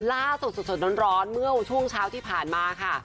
ล่าสุดสดร้อนเมื่อช่วงเช้าที่ผ่านมาค่ะ